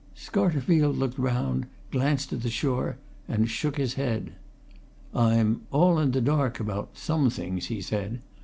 Scarterfield looked round, glanced at the shore, shook his head. "I'm all in the dark about some things," he said.